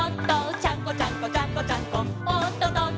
「ちゃんこちゃんこちゃんこちゃん